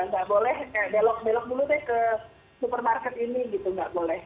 gak boleh belok belok dulu deh ke supermarket ini gitu gak boleh